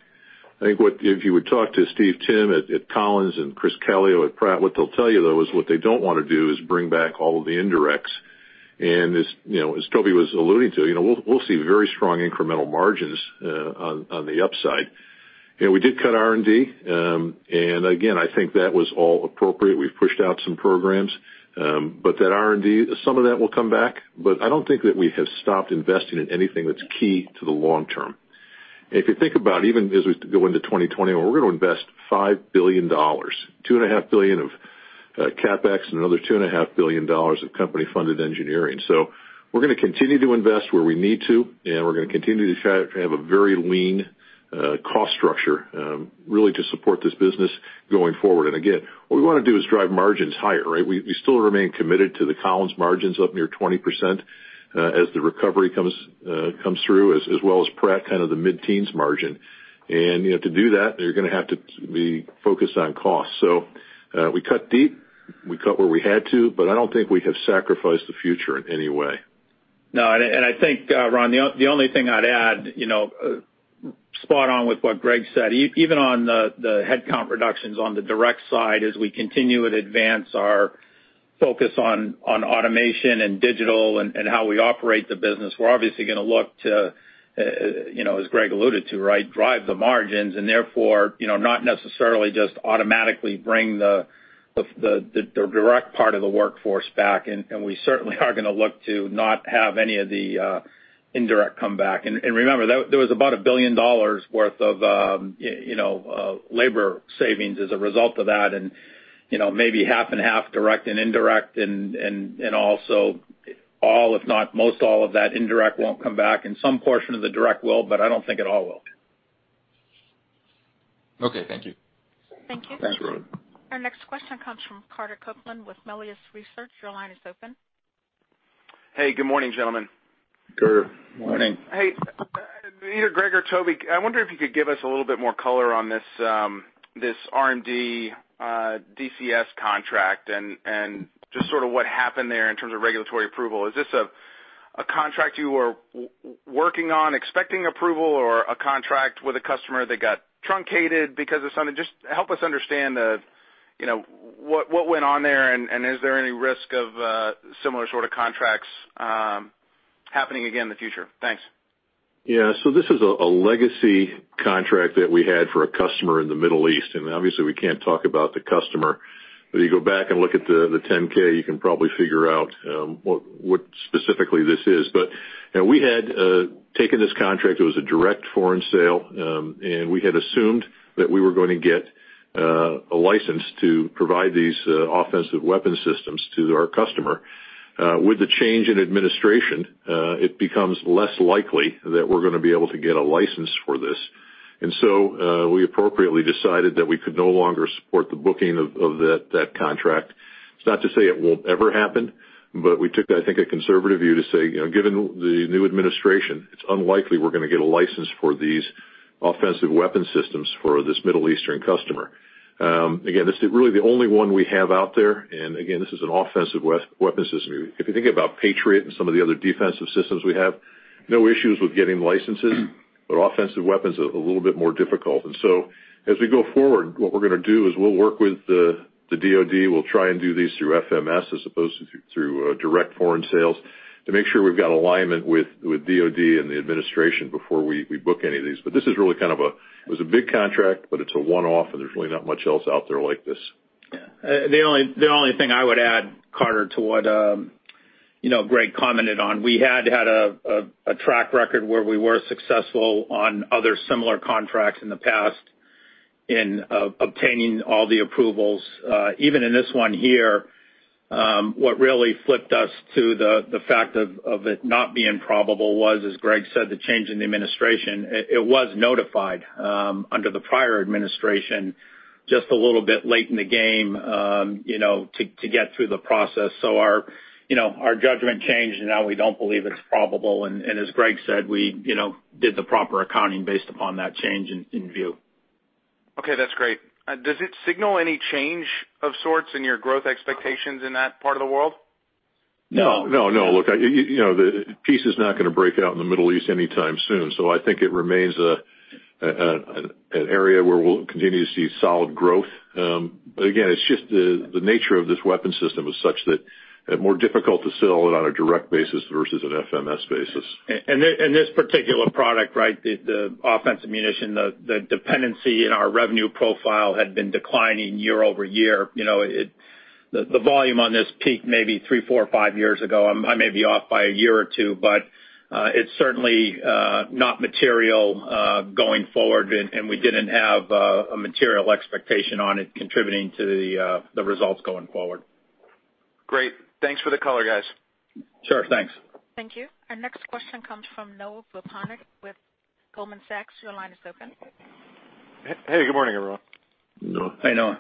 I think if you would talk to Steve Timm at Collins and Chris Calio at Pratt, what they'll tell you, though, is what they don't want to do is bring back all of the indirects. As Toby was alluding to, we'll see very strong incremental margins on the upside. We did cut RMD. Again, I think that was all appropriate. We've pushed out some programs. That RMD, some of that will come back. I don't think that we have stopped investing in anything that's key to the long term. If you think about even as we go into 2021, we're going to invest $5 billion, $2.5 billion of CapEx, and another $2.5 billion of company-funded engineering. We're going to continue to invest where we need to, and we're going to continue to have a very lean cost structure, really to support this business going forward. Again, what we want to do is drive margins higher, right? We still remain committed to the Collins margins up near 20% as the recovery comes through, as well as Pratt, kind of the mid-teens margin. To do that, you're going to have to be focused on cost. We cut deep. We cut where we had to, but I don't think we have sacrificed the future in any way. No, I think, Ron, the only thing I'd add, spot on with what Greg said. Even on the headcount reductions on the direct side, as we continue and advance our focus on automation and digital and how we operate the business, we're obviously going to look to, as Greg alluded to, drive the margins and therefore, not necessarily just automatically bring the direct part of the workforce back. We certainly are going to look to not have any of the indirect come back. Remember, there was about $1 billion worth of labor savings as a result of that and maybe 50/50 direct and indirect, also all, if not most all of that indirect won't come back, and some portion of the direct will, but I don't think it all will. Okay. Thank you. Thank you. Thanks, Ron. --Our next question comes from Carter Copeland with Melius Research. Your line is open. Hey, good morning, gentlemen. Carter, morning. Morning. Hey, either Greg or Toby, I wonder if you could give us a little bit more color on this RMD DCS contract and just sort of what happened there in terms of regulatory approval. Is this a contract you were working on, expecting approval, or a contract with a customer that got truncated because of something? Just help us understand what went on there, and is there any risk of similar sort of contracts happening again in the future? Thanks. Yeah. This is a legacy contract that we had for a customer in the Middle East. Obviously, we can't talk about the customer. If you go back and look at the 10-K, you can probably figure out what specifically this is. We had taken this contract. It was a direct foreign sale, and we had assumed that we were going to get a license to provide these offensive weapon systems to our customer. With the change in administration, it becomes less likely that we're going to be able to get a license for this. We appropriately decided that we could no longer support the booking of that contract. It's not to say it won't ever happen, but we took, I think, a conservative view to say, given the new administration, it's unlikely we're going to get a license for these offensive weapon systems for this Middle Eastern customer. This is really the only one we have out there. This is an offensive weapon system. If you think about Patriot and some of the other defensive systems we have, no issues with getting licenses, offensive weapons are a little bit more difficult. As we go forward, what we're going to do is we'll work with the DoD. We'll try and do these through FMS as opposed to through direct commercial sales to make sure we've got alignment with DoD and the administration before we book any of these. This is really kind of a, it was a big contract, but it's a one-off, and there's really not much else out there like this. The only thing I would add, Carter, to what Greg commented on, we had had a track record where we were successful on other similar contracts in the past in obtaining all the approvals. Even in this one here, what really flipped us to the fact of it not being probable was, as Greg said, the change in the administration. It was notified under the prior administration, just a little bit late in the game, to get through the process. Our judgment changed, and now we don't believe it's probable. As Greg said, we did the proper accounting based upon that change in view. Okay. That's great. Does it signal any change of sorts in your growth expectations in that part of the world? No. No. Look, peace is not going to break out in the Middle East anytime soon. I think it remains an area where we'll continue to see solid growth. Again, it's just the nature of this weapon system is such that more difficult to sell it on a direct basis versus an FMS basis. This particular product, the offensive munition, the dependency in our revenue profile had been declining year over year. The volume on this peaked maybe three, four, five years ago. I may be off by a year or two, but it's certainly not material going forward, and we didn't have a material expectation on it contributing to the results going forward. Great. Thanks for the color, guys. Sure. Thanks. Thank you. Our next question comes from Noah Poponak with Goldman Sachs. Your line is open. Hey, good morning, everyone. Noah. Hey, Noah.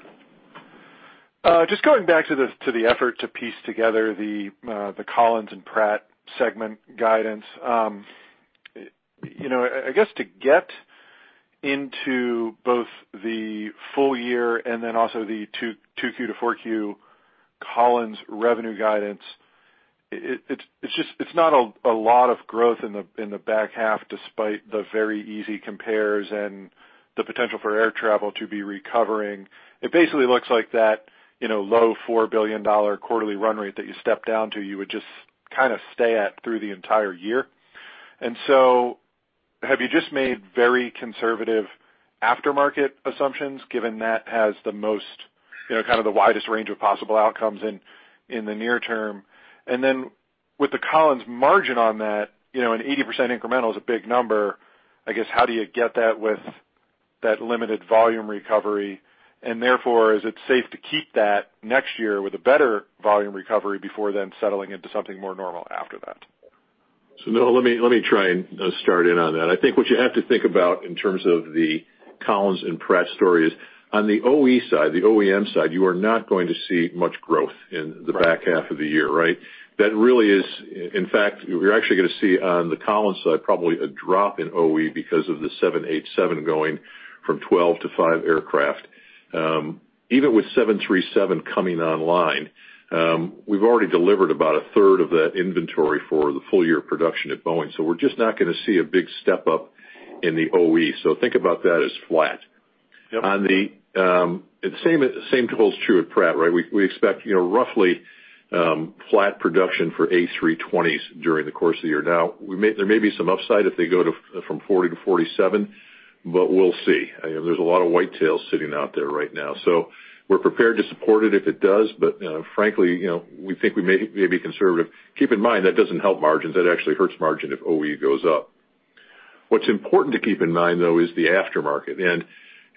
Just going back to the effort to piece together the Collins and Pratt segment guidance. I guess to get into both the full year and then also the 2Q to 4Q Collins revenue guidance, it's not a lot of growth in the back half, despite the very easy compares and the potential for air travel to be recovering. It basically looks like that low $4 billion quarterly run rate that you stepped down to, you would just kind of stay at through the entire year. Have you just made very conservative aftermarket assumptions, given that has the most, kind of the widest range of possible outcomes in the near term? With the Collins margin on that, an 80% incremental is a big number. I guess, how do you get that with that limited volume recovery? Therefore, is it safe to keep that next year with a better volume recovery before then settling into something more normal after that? Noah, let me try and start in on that. I think what you have to think about in terms of the Collins and Pratt story is on the OE side, the OEM side, you are not going to see much growth in the back half of the year, right? That really is, in fact, you're actually going to see on the Collins side, probably a drop in OE because of the 787 going from 12 to five aircraft. Even with 737 coming online, we've already delivered about a 1/3 of that inventory for the full year production at Boeing. We're just not going to see a big step up in the OE. Think about that as flat. Yep. The same holds true at Pratt, right? We expect roughly flat production for A320s during the course of the year. There may be some upside if they go from 40 to 47, but we'll see. There's a lot of white tails sitting out there right now. We're prepared to support it if it does, but frankly, we think we may be conservative. Keep in mind, that doesn't help margins. That actually hurts margin if OE goes up. What's important to keep in mind, though, is the aftermarket.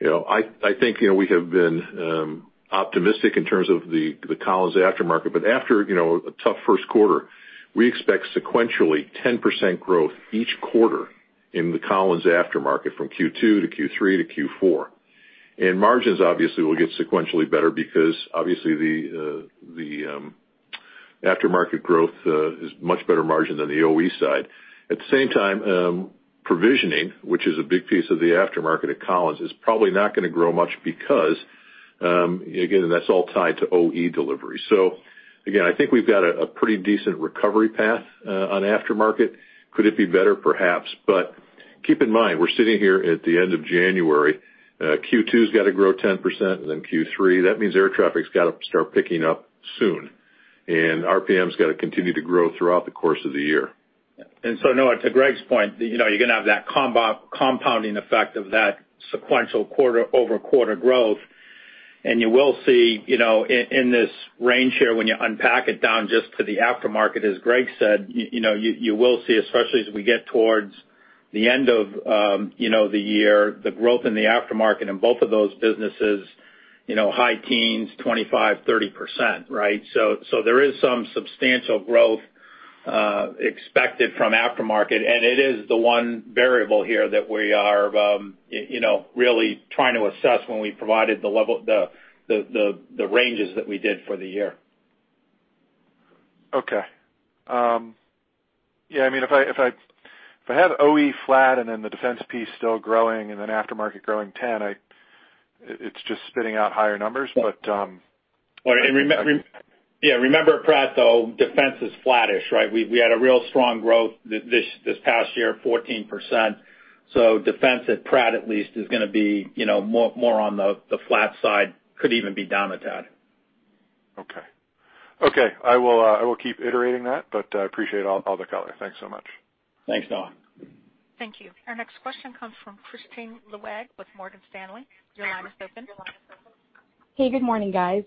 I think we have been optimistic in terms of the Collins aftermarket. After a tough first quarter, we expect sequentially 10% growth each quarter in the Collins aftermarket from Q2 to Q3 to Q4. Margins obviously will get sequentially better because obviously the aftermarket growth is much better margin than the OE side. At the same time, provisioning, which is a big piece of the aftermarket at Collins, is probably not going to grow much because, again, that's all tied to OE delivery. Again, I think we've got a pretty decent recovery path on aftermarket. Could it be better? Perhaps. Keep in mind, we're sitting here at the end of January. Q2's got to grow 10%, and then Q3. That means air traffic's got to start picking up soon, and RPMs got to continue to grow throughout the course of the year. Noah, to Greg's point, you're going to have that compounding effect of that sequential quarter-over-quarter growth, and you will see in this range here, when you unpack it down just to the aftermarket, as Greg said, you will see, especially as we get towards the end of the year, the growth in the aftermarket in both of those businesses, high teens, 25%-30%, right. There is some substantial growth expected from aftermarket, and it is the one variable here that we are really trying to assess when we provided the ranges that we did for the year. Okay. Yeah, if I have OE flat and then the defense piece still growing and then aftermarket growing 10%, it's just spitting out higher numbers. Yeah, remember at Pratt, though, defense is flattish, right? We had a real strong growth this past year, 14%. Defense at Pratt at least is going to be more on the flat side, could even be down a tad. Okay. I will keep iterating that, but I appreciate all the color. Thanks so much. Thanks, Noah. Thank you. Our next question comes from Kristine Liwag with Morgan Stanley. Your line is open. Hey, good morning, guys.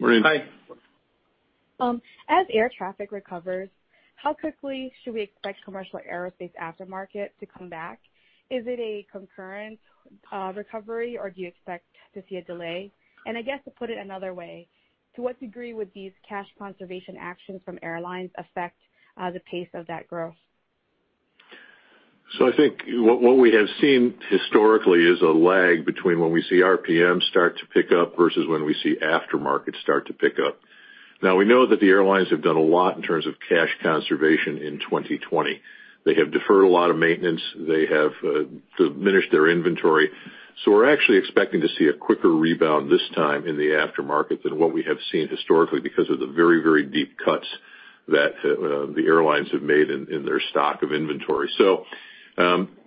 Morning. Hi. As air traffic recovers, how quickly should we expect commercial aerospace aftermarket to come back? Is it a concurrent recovery, or do you expect to see a delay? I guess, to put it another way, to what degree would these cash conservation actions from airlines affect the pace of that growth? I think what we have seen historically is a lag between when we see RPM start to pick up versus when we see aftermarket start to pick up. We know that the airlines have done a lot in terms of cash conservation in 2020. They have deferred a lot of maintenance. They have diminished their inventory. We're actually expecting to see a quicker rebound this time in the aftermarket than what we have seen historically because of the very, very deep cuts that the airlines have made in their stock of inventory.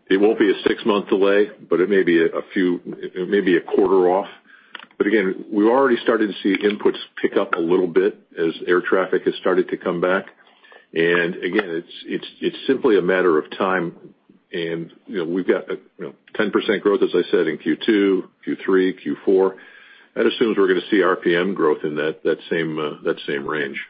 It won't be a six-month delay, but it may be a quarter off. Again, we've already started to see inputs pick up a little bit as air traffic has started to come back. Again, it's simply a matter of time, and we've got 10% growth, as I said, in Q2, Q3, Q4. That assumes we're going to see RPM growth in that same range.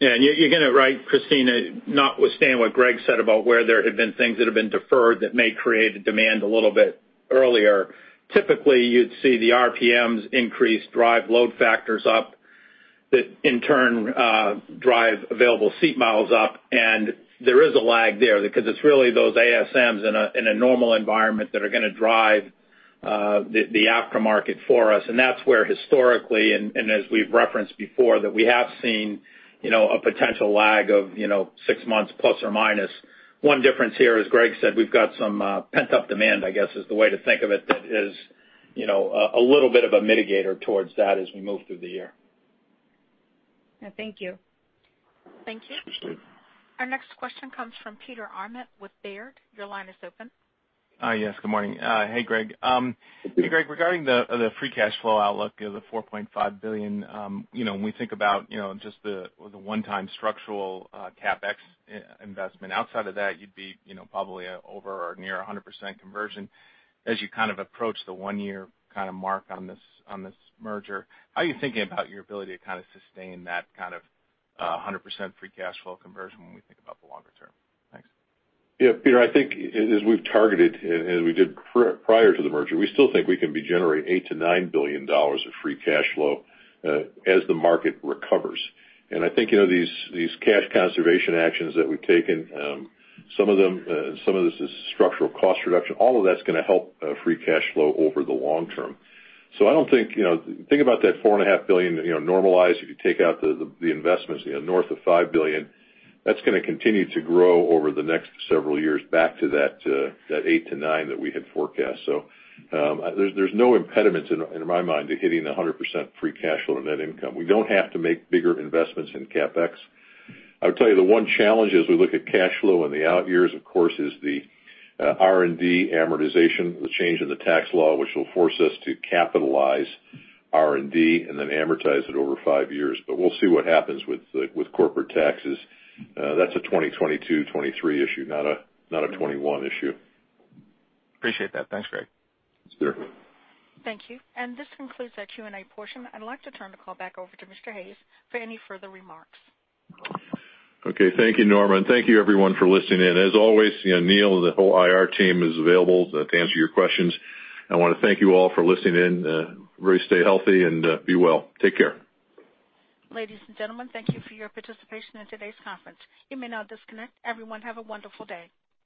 Yeah, you hit it right, Kristine, notwithstanding what Greg said about where there have been things that have been deferred that may create a demand a little bit earlier. Typically, you'd see the RPMs increase, drive load factors up, that in turn drive available seat miles up, and there is a lag there because it's really those ASMs in a normal environment that are going to drive the aftermarket for us. That's where historically, and as we've referenced before, that we have seen a potential lag of 6± months. One difference here, as Greg said, we've got some pent-up demand, I guess, is the way to think of it, that is a little bit of a mitigator towards that as we move through the year. Thank you. Thank you. Sure. --Our next question comes from Peter Arment with Baird. Your line is open. Yes, good morning. Hey, Greg. Hey, Greg, regarding the free cash flow outlook of the $4.5 billion, when we think about just the one-time structural CapEx investment, outside of that, you'd be probably over or near 100% conversion as you kind of approach the one-year kind of mark on this merger. How are you thinking about your ability to kind of sustain that kind of 100% free cash flow conversion when we think about the longer term? Thanks. Yeah, Peter, I think as we've targeted, as we did prior to the merger, we still think we can be generating $8 billion-$9 billion of free cash flow as the market recovers. I think these cash conservation actions that we've taken, some of this is structural cost reduction. All of that's going to help free cash flow over the long term. Think about that $4.5 billion normalized, if you take out the investments, north of $5 billion, that's going to continue to grow over the next several years back to that $8 billion-$9 billion that we had forecast. There's no impediment, in my mind, to hitting 100% free cash flow net income. We don't have to make bigger investments in CapEx. I would tell you the one challenge as we look at cash flow in the out years, of course, is the RMD amortization, the change in the tax law, which will force us to capitalize RMD and then amortize it over five years. We'll see what happens with corporate taxes. That's a 2022, 2023 issue, not a 2021 issue. Appreciate that. Thanks, Greg. Sure. Thank you. This concludes our Q&A portion. I’d like to turn the call back over to Mr. Hayes for any further remarks. Okay. Thank you, Norma, and thank you everyone for listening in. As always, Neil and the whole IR team is available to answer your questions. I want to thank you all for listening in. Everybody stay healthy and be well. Take care. Ladies and gentlemen, thank you for your participation in today's conference. You may now disconnect. Everyone, have a wonderful day.